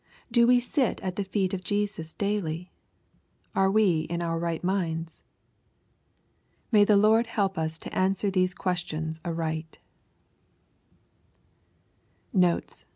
Do 'we sit at the feet of Jesus daily ? Are we in our right minds ? May the Lord help us to answer these questions aright t Notes.